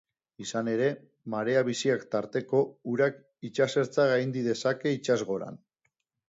Izan ere, marea biziak tarteko, urak itsasertza gaindi dezake itsasgoran.